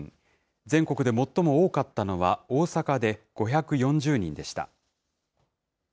全国で最も多かったのは大阪で５４０人でした。